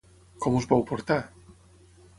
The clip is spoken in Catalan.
Com us vau portar?